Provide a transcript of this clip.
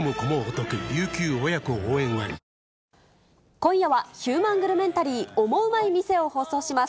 今夜は、ヒューマングルメンタリーオモウマい店を放送します。